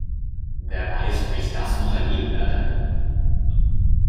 Wer weiß, ob ich das noch erleben werde?